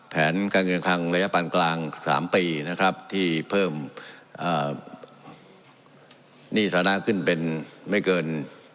แผนการเงินคังระยะปันกลาง๓ปีนะครับที่เพิ่มหนี้สถานะขึ้นเป็นไม่เกิน